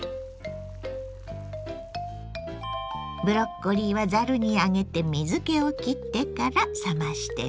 ブロッコリーはざるに上げて水けをきってから冷ましてね。